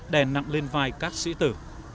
đèn nặng lên vai các sĩ tử